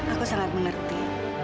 aku sangat mengerti